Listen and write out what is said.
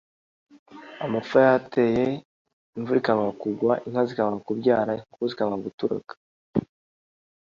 amapfa yateye imvura ikanga kugwa inka zikanga kubyara inkoko zikanga guturaga